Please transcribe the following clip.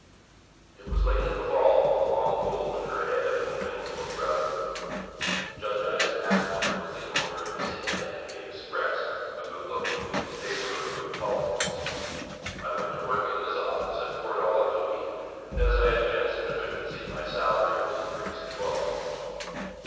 It was late in the fall, with a long cold winter ahead and things looked rather blue. Judge Isaac Atwater was the owner of "The St. Anthony Express," a good looking weekly paper of Whig politics. I went to work in this office at four dollars a week and as I advanced in efficiency, my salary was increased to twelve dollars.